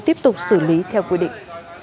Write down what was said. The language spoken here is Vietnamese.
tiếp tục xử lý theo quy định